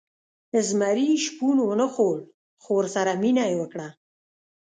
زمري شپون ونه خوړ او ورسره مینه یې وکړه.